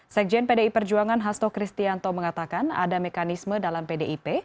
sekjen pdi perjuangan hasto kristianto mengatakan ada mekanisme dalam pdip